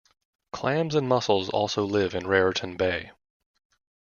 Clams and mussels also live in Raritan Bay.